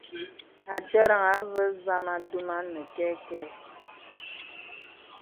A tɛrəŋ à və̀ zamà duma nə kɛkɛ̄.